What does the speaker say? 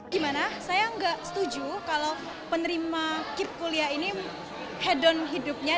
gimana saya nggak setuju kalau penerima kip kuliah ini head don hidupnya